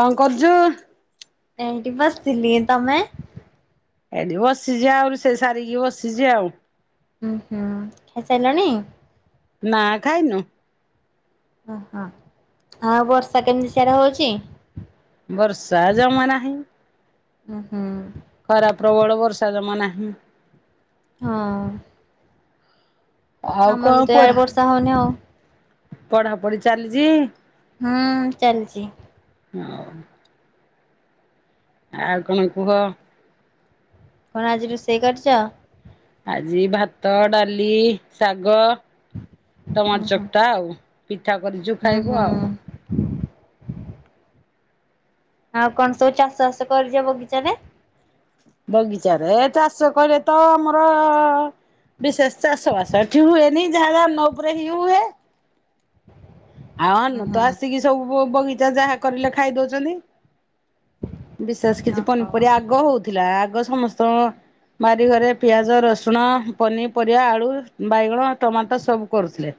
କଁ କରୁଛୁ? ଏଇଠି ବସିଥିଲି ତମେ? ଏଇଠି ବସିଚି ଆଉ ରୁଷେଇ ସାରିକି ବସିଚି ଆଉ। ଉଁ ହୁଁ ଖାଇସାଇଲଣି? ନା ଖାଇନୁ। ଓହୋ, ଆଉ ବର୍ଷା କେମିତି ସିଆଡ଼େ ହଉଚି? ବର୍ଷା ଜମା ନାହିଁ। ଉଁ, ହୁଁ। ଖରା ପ୍ରବଳ ବର୍ଷା ଜମା ନାହିଁ। ହଁ। ଆଉ ଆମର କଣ ବି ତ ପଢା ଇଆଡେ ବର୍ଷା ହଉନି ଆଉ। ପଢାପଢି ଚାଲିଚି? ହୁଁ ଚାଲିଚି। ହଁ। ଆଉ କଣ କୁହ? କଣ ଆଜି ରୋଷେଇ କରିଚ? ଆଜି ଭାତ, ଡାଲି, ଶାଗ। ଉଁ ଟମାଟ ହୁଁ ଚକଟା ଆଉ। ପିଠା କରିଚୁ ଉଁ ଖାଇବୁ ହୁଁ ଆଉ। ଆଉ କଣ ସବୁ ଚାଷ ବାସ କରିଚ ବଗିଚାରେ? ବଗିଚାରେ ଚାଷ କହିଲେ ତ ଆମର ବିଶେଷ ଚାଷ ବାଷ ଏଠି ହୁଏନି ଯାହା ଧାନ ଉପରେ ହିଁ ହୁଏ। ଆଉ ଉଁ ଅନୁ ହୁଁ ତ ଆସିକି ସବୁ ବଗିଚା ଯାହା କରିଲେ ଖାଇ ଦଉଚନ୍ତି। ବିଶେଷ କିଛି ଓହୋ ପନିପରିବା ଆଗ ହଉଥିଲା ଆଗ ସମସ୍ତଙ୍କ ବାରିଘରେ ପିଆଜ, ରସୁଣ ପନିପରିବା, ଆଳୁ, ବାଇଗଣ, ଟମାଟୋ ସବୁ କରୁଥିଲେ।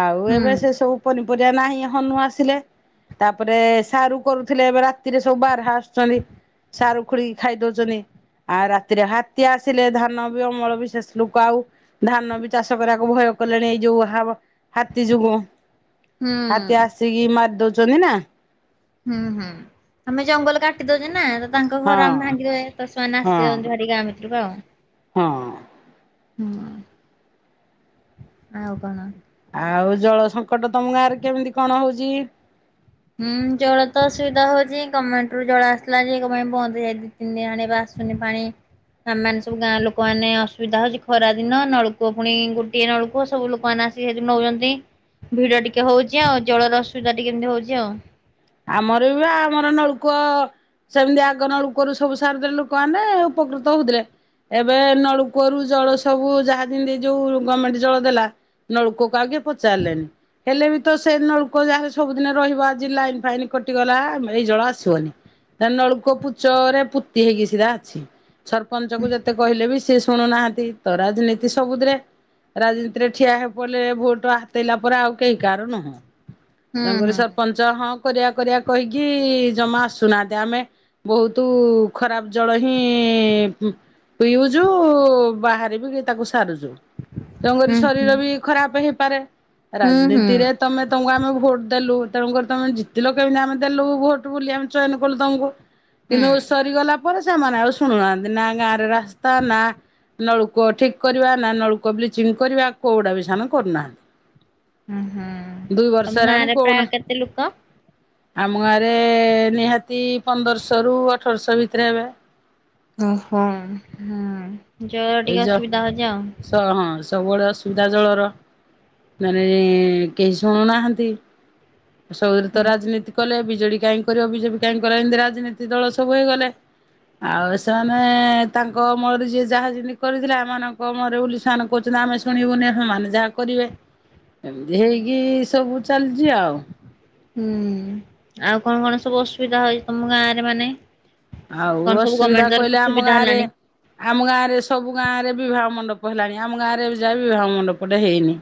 ଆଉ ହୁଁ ଏବେ ସେ ସବୁ ପନିପରିବା ନାହିଁ ହନୁ ଆସିଲେ। ତାପରେ ସାରୁ କରୁଥିଲେ ଏବେ ରାତିରେ ସବୁ ବାରହା ଛନ୍ତି। ସାରୁ ଖୋଳିକି ଖାଇଦଉ ଆ ରାତିରେ ହାତୀ ଆସିଲେ ଧାନ ବି ଅମଳ ବିଶେଷ ଲୁକ ଆଉ ଧାନ ବି ଚାଷ କରିଆକୁ ଭୟ କଲେଣି ଏଇ ଯୋଉ ହାତୀ ଯୋଗୁ। ହୁଁ ହାତୀ ଆସିକି ମାରି ଦଉଚନ୍ତି ନା। ହୁଁ ହୁଁ, ଆମେ ଜଙ୍ଗଲ କାଟିଦଉଚେ ନା ତାଙ୍କ ଘର ଆମେ ହଁ ଭାଙ୍ଗିଦଉଚେ। ତ ସେମାନେ ହଁ ଆସିିଯାଉଚନ୍ତି ଭାରି ଗାଁ ଭିତୁରୁକୁ ଆଉ। ହଁ। ହୁଁ, ଆଉ କଣ? ଆଉ ଜଳ ସଙ୍କଟ ତମ ଗାଁ ରେ କେମିତି କଣ ହଉଚି? ହୁଁ, ଜଳ ତ ଅସୁବିଧା ହଉଚି। ଗମେଣ୍ଟ ରୁ ଜଳ ଆସିଥିଲା ଯେ କଣ ପାଇଁ ବନ୍ଦ ଯାଇଚି। [unintelligible] ଆଣିବା ଆସୁନି ପାଣି। ଆମ୍ ମାନେ ସବୁ ଗାଁ ଲୋକମାନେ ଅସୁବିଧା ହଉଚି। ଖରା ଦିନ ନଳକୂଅ ପୁଣି ଗୋଟିଏ ନଳକୂଅ ସବୁ ଲୋକମାନେ ଆସ ସେ ନଉଚନ୍ତି। ଭିଡ ଟିକେ ହଉଚି ଆଉ ଜଳର ଅସୁବିଧା ଟିକେ ଏମିତି ହଉଚି ଆଉ। ଆମର ବି ଆମର ନଳକୂଅ ସେମିତି ଆଗ ନଳକୂଅ ରୁ ସବୁ ସାରଦେଲେ ଲୁକମାନେ ଉପକୃତ ହଉଥିଲେ ଏବେ ନଳକୂଅରୁ ଜଳ ସବୁ ଯାହା ଯେମିତି ଯୋଉ ଗମେଣ୍ଟ ଜଳ ଦେଲା ନଳକୂଅ କୁ ଆଉ କେହି ପଚାରିଲେନି। ହେଲେ ବି ତ ସେ ନଳକୂଅ ଯାହା ହେଲେ ସବୁଦିନ ରହିବ ଆଜି ଲାଇନ୍ ଫାଇନି କଟିଗଲା ଆମ ଏଇ ଜଳ ଆସିବନି। ତା ନଳକୂପ ପୂଚ ରେ ପୁତି ହେଇକି ସିଧା ଅଛି। ସରପଞ୍ଚ କୁ ଯେତେ କହିଲେ ବି ସିଏ ଶୁଣୁନାହାନ୍ତି। ତ ରାଜନୀତି ସବୁଥିରେ। ରାଜନୀତିରେ ଠିଆ ହେଇ ପଡ଼ିଲେ ଭୋଟ ଆସେଇଲା ପରେ ଆଉ କେହି କାହାର ନୁହଁ। ହୁଁ ତାଙ୍କର ହୁଁ ସରପଞ୍ଚ ହଁ କରିଆ କରିଆ କହିକି ଜମା ଆସୁନାହାନ୍ତି। ଆମେ ବହୁତ ଖରାପ ଜଳ ହିଁ ପିଉଛୁ ବାହାରେ ବି ତାକୁ ସାରୁଛୁ। ତମରି ହୁଁ ଶରୀର ବି ଖରାପ ହେଇପାରେ। ହୁଁ ହୁଁ ହୁଁ ରାଜନୀତିରେ ତମେ ତମକୁ ଆମେ ଭୋଟ ଦେଲୁ ତେଣୁ କରି ତମେ ଜି ତିଲ କେମିତି ଆମେ ଦେଲୁ ଭୋଟ ବୁଲି ଆମେ ଚୟନ କଲୁ ତମକୁ ହୁଁ କିନ୍ତୁ ସରିଗଲା ପରେ ସେମାନେ ଆଉ ଶୁଣୁନାହାନ୍ତି। ନା ଗାଁରେ ରାସ୍ତା, ନା ନଳୁକୂଅ ଠିକ କରିବା ନା, ନଳୁକୂଅ ବ୍ଲିଚିଂ କରିବା କୋଉଟା ବି ସାନ କରୁନାହାନ୍ତି। ହୁଁ ଦୁଇ ବର୍ଷ ହେଲାଣି କୋଣ ଲୁକ? ଆମ ଗାଁରେ ନିହାତି ପନ୍ଦରଶହରୁ ଅଠରଶହ ଭିତରେ ହେବେ। ଓହୋ ହୁଁ ଜଳର ଟିକେ ଅସୁବିଧା ହଉଛି ଆଉ। ତ ହଁ ସବୁବେଳେ ଅସୁବିଧା ଜଳର। ମାନେ କେହି ଶୁଣୁନାହାନ୍ତି, ସବୁବେଳେ ତ ହୁଁ ରାଜନୀତି କଲେ। ବିଜେଡି କାହିଁ କରିବ ବିଜେପ କାଇଁ କରା ଏମିତି ରାଜନୀତି ଦଳ ସବୁ ହେଇଗଲେ। ଆଉ ସେମାନେ ତାଙ୍କ ଅମଳରେ ଯିଏ ଯାହା ଯେମିତି କରିଥିଲା। ଏମାନଙ୍କ ଅମଳରେ ବୋଲି ସାନ୍ କହୁଛନ୍ତି ଆମେ ଶୁଣିବୁନି ସେମାନେ ଯାହା କରିବେ। ଏମିତି ହେଇକି ସବୁ ଚାଲିଛି ଆଉ। ହୁଁ ଆଉ କଣ କଣ ସବୁ ଅସୁବିଧା ହଇ ତମ ଗାଁ ରେ ମାନେ? ଆଉ କଣ ସବୁ ଅସୁବିଧା ଗମେଣ୍ଟ ତରଫରୁ କହିଲେ ଆମ ସୁବିଧା ଗାଁ ରେ ହେଲାଣି। ଆମ ଗାଁରେ ସବୁ ଗାଁରେ ବିିବାହ ମଣ୍ଡପ ହେଲାଣି ଆମ ଗାଁରେ ଏଯାଏ ବି ବିବାହ ମଣ୍ଡପ ଟାଏ ହେଇନି।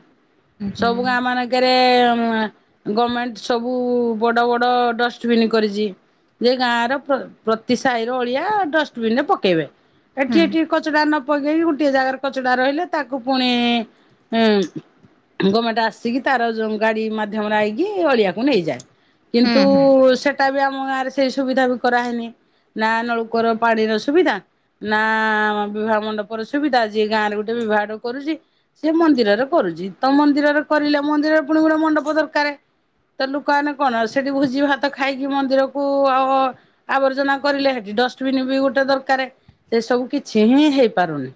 ଉଁ ହୁଁ। ସବୁ ଗାଁ ମାନେ କେ କେରେ ଗର୍ମେଣ୍ଟ ସବୁ ବଡ଼ ବଡ଼ ଡଷ୍ଟବିନ୍ କରିଛି। ଏ ଗାଁର ପ୍ରତି ସାହିର ଅଳିଆ ଡଷ୍ଟବିନ ରେ ପକେଇବେ। ହୁଁ ଏଠି ଏଠି କ କଚଡା ନ ପକେଇକି ଗୋଟିଏ ଜାଗାରେ କଚଡା ରହିଲେ ତାକୁ ପୁଣି ଉଁ ଗର୍ମେଣ୍ଟ ଆସିକି ତାର ଯୋଉଁ ଗାଡ଼ି ମାଧ୍ୟମରେ ଆଇକି ଅଳିଆକୁ ନେଇଯାଏ। ହୁଁ କିନ୍ତୁ ହୁଁ। ସେଟା ବି ଆମ ଗାଁ ରେ ସେ ସୁବିଧା ବି କରାହେଇନି। ନା ନଳକୂଅ ର ପାଣିର ସୁବିଧା ନା ବିବାହ ମଣ୍ଡପର ସୁବିଧା, ଯିଏ ଗାଁ ରେ ଗୋଟେ ବିଭା ଘର କରୁଛି ସିଏ ମନ୍ଦିରରେ କରୁଛି। ତ ମନ୍ଦିରରେ କରିଲେ ମନ୍ଦିରରେ ପୁଣି ଗୋଟେ ମଣ୍ଡପ ଦରକାର। ତ ଲୋକମାନେେ କଣ ସେଠି ଭୋଜି ଭାତ ଖାଇକି ମନ୍ଦିରକୁ ଆଉ ଆବର୍ ର୍ଜନା କରିଲେ। ସେଠି ଡଷ୍ଟବିନ ବି ଗୋଟେ ଦରକାର ସେ ସବୁ କିଛି ହିଁ ହେଇପାରୁନି।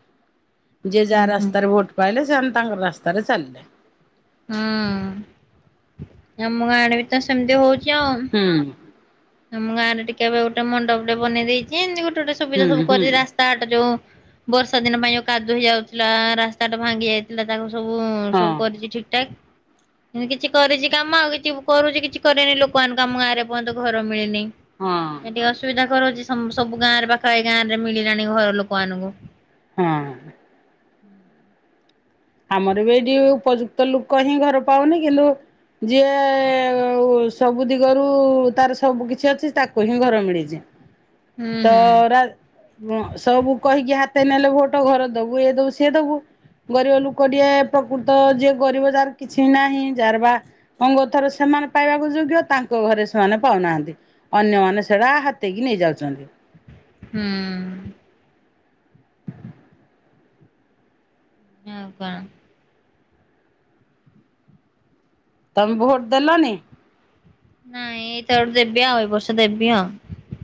ଯିଏ ଉଁ ଯାର ହୁଁ। ରାସ୍ତରେ ଭୋଟ ପାଇଲେ, ସେମାନେ ତାଙ୍କର ରାସ୍ତାରେ ଚାଲିଲେ। ହଁ। ଆମ ଗାଁ ଆଡେ ବି ତ ସେମିତି ହଉଛି ଆଉ। ହୁଁ। ଆମ ଗାଁରେ ଟିକେ ଏବେ ଗୋଟେ ମଣ୍ଡପ ଟେ ବନେଇ ଦେଇଛି। ଏମତି ଗୋଟେ ଗୋଟେ ସୁବିଧା ସବୁ ହୁଁ ହୁଁ କରିରା। କାର ଟା ଯୋଉ ବର୍ଷା ଦିନ ପାଇଁ ଯୋଉ କାଦୁଅ ହେଇଯାଉଥିଲା ରାସ୍ତାଟା ଭାଙ୍ଗି ଯାଇ ଥିଲା ତାକୁ ସବୁ ହଁ ସବୁ କରିଛି ଠିକ୍ ଠାକ। କିଛି କରିଛି କାମ ଆଉ କିଛି କରୁଛି କିଛି କରିନି ଲୋକମାନଙ୍କୁ ଆମ ଗାଁରେ ଏପର୍ଯ୍ୟନ୍ତ ଘର ମିଳିନି। ହଁ ଏ ଟିକେ ଅସୁବିଧା କରୁଛି ସବୁ ଗାଁ ରେ ପାଖା ପାଖି ଗାଁରେ ମିଳିଲାଣି ଘର ଲୋକମାନଙ୍କୁ। ହଁ। ଆମର ବି ଏଇଠି ଉପଯୁକ୍ତ ଲୋକ ହିଁ ଘର ପାଉନି କିନ୍ତୁ ଯିଏ ସବୁ ଦିଗରୁ ତାର ସବୁ କିଛି ଅଛି ତାକୁ ହିଁ ଘର ମିଳିଛି। ହୁଁ ତ ହୁଁ ରା ସବୁ କହିକି ହାତେଇ ନେଲେ ଭୋଟ ଘର ଦବୁ ଏ ଦବୁ ସେ ଦବୁ ଗରିବ ଲୋ ଗୋଟିଏ ପ୍ରକୃତ ଯିଏ ଗରିବ ଯାହାର କିଛି ନାହିଁ ଯାହାର ବା ଅଙ୍ଗ ଥରେ ସେମାନେ ପାଇବାକୁ ଯୋଗ୍ୟ ତାଙ୍କ ଘରେ ସେମାନେ ପାଉନାହାନ୍ତି। ଅନ୍ୟମାନେ ସେଇଟା ହାତେଇକି ନେଇଯାଉଛନ୍ତି। ହୁଁ। ହଁ ବା। ତମେ ଭୋଟ ଦେଲାଣି? ନାଇଁ ଏଇଟା ଗୋଟେ ଦେବି ଆଉ ଏ ବର୍ଷ ଦେବି ଆଉ।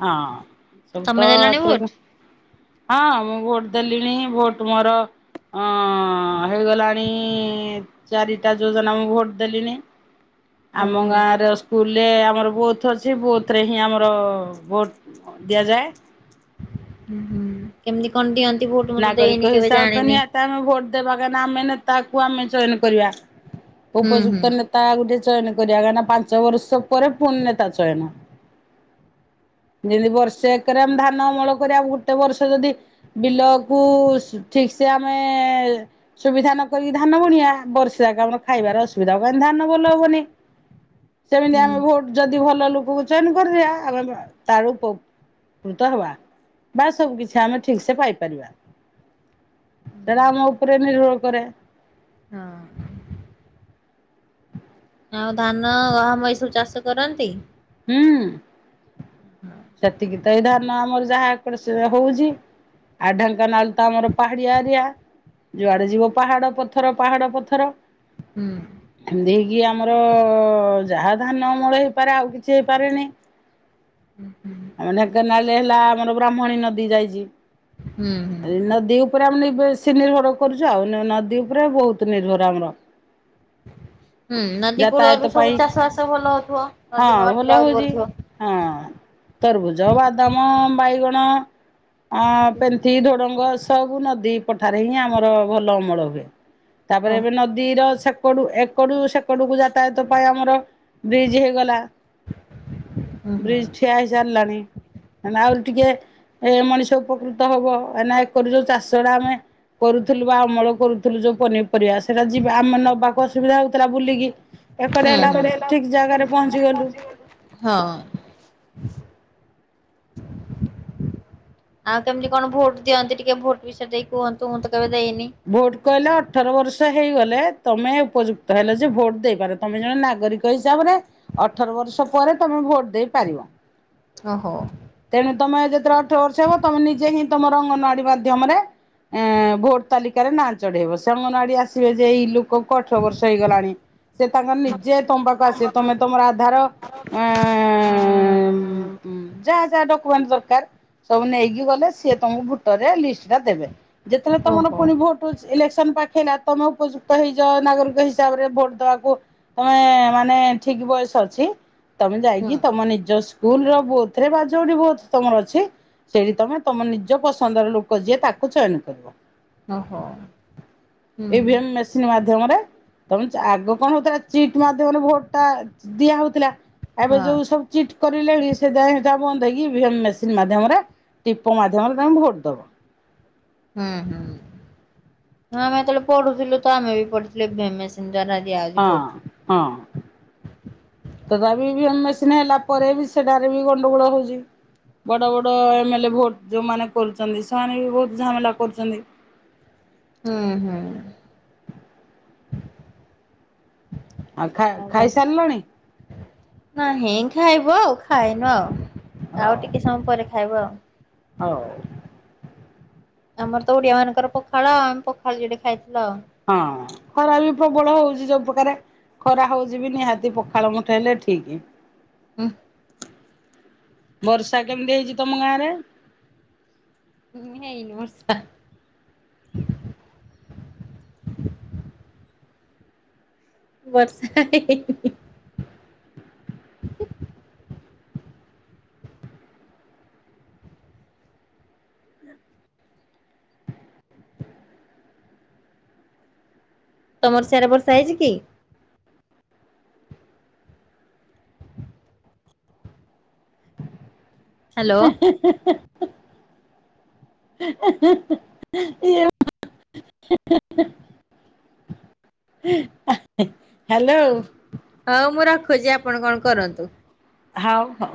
ହଁ ସବୁ ତମେ ତ ଦେଲଣି ଭୋଟ? ଆତ୍ରକ ହଁ ମୁଁ ଭୋଟ ଦେଲିଣି ଭୋଟ ମୋର ହଁ ହେଇଗଲାଣି ଚାରିଟା ଯୋଜନା ମୁଁ ଭୋଟ୍ ଦେଲିଣିି। ଆମ ଓହୋ। ଗାଁର ସ୍କୁଲରେ ଆମର ବୋଥ୍ ଅଛି ବୋଥେ ହିଁ ଆମର ଭୋଟ୍ ଦିଆଯାଏ। ହୁଁ-ହୁଁ କେମିତି କଣ ଦିଅନ୍ତି ଭୋଟ ମୁଁ ତ ନାଗରିକ ଦେଇନି କେବେ ହିସାବରେ ତ ଜାଣିନି। ନିହାତି ଆମେ ଭୋଟ ଦେବା କାହିଁ ନା ଆମେ ତାକୁ ଆମେ ଚୟନ କରିବା ହୁଁ ହୁଁ। ଉପଯୁକ୍ତ ନେ ତା ଗୋଟେ ଚୟନ କରିବା କାହିଁକି ନା ପାଞ୍ଚ ବର୍ଷ ପରେ ପୁଣି ନେତା ଚୟନ। ଯେମିତି ବର୍ଷେ ଏକରେ ଆମ ଧାନ ଅମଳ କରି ଗୋଟେ ବର୍ଷ ଯଦି ବିଲ କୁ ଠିକ ସେ ଆମେ ସୁବିଧା ନକରିକି ଧାନ ବୁଣିବା ବର୍ଷ ଯାକ ଆମର ଖାଇବ ଅସୁବିଧା ହବ କାହିଁକି ନା ଧାନ ଭଲ ହବନି। ସେମିତି ହୁଁ ଆମେ ଭୋଟ ଯଦି ଭଲ ଲୋକକୁ ଚୟନ କରିବା ଆଉ ତାର ଉ ପକୃତ ହବା ବା ସବୁ କିଛି ଆମେ ଠିକ ସେ ପାଇପାରିବା। ହୁଁ ଏରା ଆମ ଉପରେ ନିର୍ଭର କରେ। ହଁ। ଆଉ ଧାନ ଗହମ ଏଇ ସବୁ ଚାଷ କରନ୍ତି। ହୁଁ ସେତିକି ତ ଏଇ ଧା ନ ଆମର ଯାହା ହଉଛି ଆଉ ଢେଙ୍କାନାଳ ତ ଆମର ପାହାଡିଆ ଏରିଆ। ହୁଁ ଯୁଆଡେ ଯିବ ପାହାଡ ପଥର ପାହାଡ ପଥର। ହୁଁ। ଏମତି ହେଇକି ଆମର ଯାହା ଧାନ ଅମଳ ହେଇପାରେ ଆଉ କିଛି ହେଇପାରେନି। ହୁଁ ହୁଁ ଆମ ଢେଙ୍କାନାଳରେ ହେଲା ଆମର ବ୍ରାହ୍ମଣୀ ନଦୀ ଯାଇଛି ହୁଁ। ନଦୀ ଉପରେ ଆମେ ବେଶୀ ନିର୍ଭର କରୁଛୁ ଆଉ ନଦୀ ଉପରେ ବହୁତ ନିର୍ଭର ଆମର। ହୁଁ ନଦୀ କୂଳରେ ଯାତାୟାତ ବି ସବୁ ପାଇଁ ଚାଷ ବାସ ଭଲ ହଉଥିବ ହଁ ନଦୀ ଭଲ ମାଟିରେ ହଉଛି। [unintelligible] ହଁ ତରଭୁଜ ବାଦାମ ବାଇଗଣ ଅ ପେନ୍ଥି ଢୋଡଙ୍ଗ ସବୁ ନଦୀ ପଠାରେ ହିଁ ଆମର ଭଲ ଅମଳ ହୁଏ। ତାପରେ ଏବେ ଓହୋ। ନଦୀର ସେକଡୁ ଏକଡୁ ସେକ ସେପଟକୁ ଯାତାୟତ ପାଇଁ ଆମର ବ୍ରିଜ ହେଇଗଲା। ହୁଁ ହୁଁ ବ୍ରିଜ ହୁଁ ଠିଆ ହେଇ ସାରିଲାଣି ହେଲେ ଆହୁରି ଟିକେ ଏ ମଣିଷ ଉପକୃତ ହବ ଏନା ଏକରୁ ଏଇ ଯୋଉ ଚାଷଟା ଆମେ କରୁଥିଲୁ ବା ଅମଳ କରୁଥିଲୁ ଯୋଉ ପନିପରିବା ସେଇଟା ଯିବା ଆମେ ନବାକୁ ଅସୁବିଧା ହଉଥିଲା। ବୁଲିକି ଏପଟେ ହୁଁ। ହେଲା ଆମର ଠିକ ଜାଗାରେ ପହଞ୍ଚି ଗଲୁ। ହଁ। ଆଉ କେମିତି କଣ ଭୋଟ ଦିଅନ୍ତି ଟିକେ ଭୋଟ ବିଷୟ ଦେଇ କୁହନ୍ତୁ ମୁଁ ତ କେବେ ଦେଇନି। ଭୋଟ କହିଲେ ଅଠର ବର୍ଷ ହେଇଗଲେ ତମେ ଉପଯୁକ୍ତ ହେଲ ଯେ ଭୋଟ ଦେଇପାରେ ତମେ ଜଣେ ନାଗରିକ। ସେଇ ହିସାବରେ ଅଠର ବର୍ଷ ପରେ ତମେ ଭୋଟ ଦେଇପାରିବ। ଓ ହୋ। ତେଣୁ ତମେ ଯେତେବେଳେ ଅଠର ବର୍ଷ ହେବ ତମେ ନିଜେ ହିଁ ତମ ର ଅଙ୍ଗନବାଡି ମାଧ୍ୟମରେ ଏଁ ଭୋଟ ତାଲିକାରେ ନାଁ ଚଢେଇବ ସେ ଅଙ୍ଗନବାଡି ଆସିବେ ଯେ ଏଇ ଲୋକ କୁ ଅଠରବର୍ଷ ହେଇଗଲାଣି ସେ ତାଙ୍କର ନିଜେ ତମ ପାଖକୁ ଆସେ ତମେ ତମର ଆଧାର ହୁଁ। ଉମ-ହୁଂ ଯାହା ଯାହା ଡକୁମେଣ୍ଟ ଦରକାର ସବୁ ନେଇକି ଗଲେ ସି ତମକୁ ଭୋଟରରେ ଲିଷ୍ଟ ଟା ଦେବେ। ଯେତେବେଳେ ତମର ଓହୋ ପୁଣି ଭୋଟ ଇଲେକ୍ସନ ପାଖେଇଲା ତମ ଉପଯୁକ୍ତ ତ ହେଇଯଅ ନାଗରିକ ହିସାବରେ ଭୋଟ ଦେବାକୁ ତମେ ମାନେ ଠିକ୍ ବୟସ ଅଛି। ତମେ ହୁଁ ଯାଇକି ତମ ନିଜ ସ୍କୁଲ ର ବୋଥରେ ବା ଯଉଠି ବୋଥ ତମର ଅଛି। ସେଇଠି ତମେ ତମ ନିଜ ପସନ୍ଦର ଲୋକ ଯିଏ ତାକୁ ଚୟନ କରିବ। ଓହୋ। ହୁଁ ଏଇ ଭିଏମ ମେସିନ୍ ମାଧ୍ୟମରେ ତମେ ଆଗ କଣ ହଉଥିଲା ଚିଟ୍ ମାଧ୍ୟମରେ ଭୋଟ ଟା ଦିଆ ହଉଥିଲା ଏବେ ଯୋଉ ହଁ ସବୁ ଚିଟ୍ କହିଲେଣି ସେ ଯାଏ ତା ବନ୍ଧହେଇକି ମେସିନ୍ ମାଧ୍ୟମରେ ଟିପ ମାଧ୍ୟମରେ ତାଙ୍କୁ ଭୋଟ୍ ଦବ। ହୁଁ। ହଁ ଆମେ ଯେତେବେଳେ ପଢୁଥିଲୁ ତ ଆମେ ବି ପଢିଥିଲୁ। [unintelligible] [unintelligible] ହଁ ହଁ! ତ ଇଭିମ ମେସିନ୍ ହେଲା ପରେ ବି ସେଟାରେ ବି ଗଣ୍ଡଗୋଳ ହଉଛି ବଡ ବଡ ତ ଏମେଲେ ଭୋଟ୍ ଯେଉଁମାନେ କରୁଛନ୍ତି ସେମାନେ ବି ବହୁତ ଝାମେଲା କରୁଛନ୍ତି। ହୁଁ ହୁଁ। ଆଉ [unintelligible] କଣ ଖାଇ ସାରିଲଣି। ନାହିଁ ଖାଇବୁ ଆଉ ଖାଇନୁ ଆଉ ହଉ ଆଉ ଟିକେ ହଁ ପରେ ଖାଇବୁ ଆଉ ହଉ। ଆମର ତ ଓଡିଆ ମାନଙ୍କର ପଖାଳ ଆଉ ଆମେ ପଖାଳ ଯୋଡେ ଖାଇଥିଲୁ ଆଉ ହଁ ଖରା ବି ପ୍ରବଳ ହଉଛି ଯଉ ପ୍ରକାର ଖରା ହଉଛିବି ନିହାତି ପଖାଳ ମୁଠେ ହେଲେ ଠିକ୍। ହୁ। ବର୍ଷା କେମିତି ହେଇଛି ତମ ଗାଁ ରେ। ହେଇନି ବର୍ଷା। ବର୍ଷା ହେଇନି। ତମର ସେଇ ଆଡ଼େ ବର୍ଷା ହେଇଛି କି। ହା ହ୍ୟାଲୋ। ହା ହା। [unintelligible] [unintelligible] ହ୍ୟାଲୋ। ହଉ ମୁଁ ରଖୁଛି ଆପଣ କଣ କରନ୍ତୁ। ହଉ ହଉ।